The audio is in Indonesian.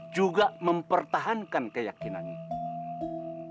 juga mempertahankan keyakinannya